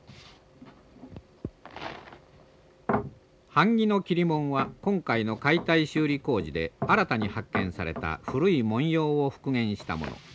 版木の桐文は今回の解体修理工事で新たに発見された古い文様を復元したもの。